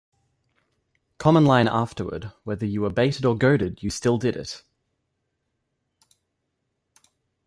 Common line afterward whether you were baited or goaded you still did it.